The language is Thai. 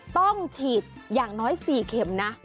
ต้องฉีดอย่างน้อย๔เข็มนะ